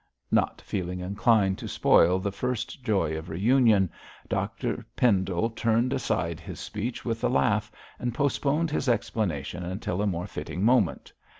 Not feeling inclined to spoil the first joy of reunion, Dr Pendle turned aside this speech with a laugh, and postponed his explanation until a more fitting moment.